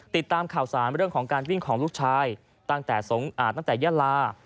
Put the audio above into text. ติดตามข่าวสารเรื่องของการวิ่งของลูกชายตั้งแต่สงอาจตั้งแต่ยาลา